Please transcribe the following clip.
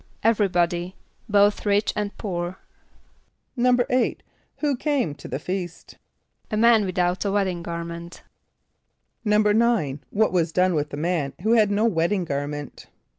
=Everybody, both rich and poor.= =8.= Who came to the feast? =A man without a wedding garment.= =9.= What was done with the man who had no wedding garment?